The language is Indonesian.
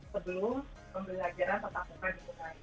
sebelum pembelajaran tertanggung jawab dibuka